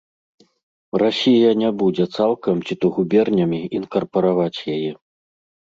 Расія не будзе цалкам ці то губернямі інкарпараваць яе.